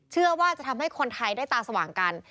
เชื่อว่าจะทำให้คนไทยได้ตาสว่างกัน